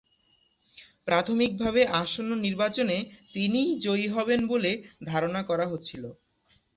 প্রাথমিকভাবে আসন্ন নির্বাচনে তিনিই জয়ী হবেন বলে ধারণা করা হচ্ছিল।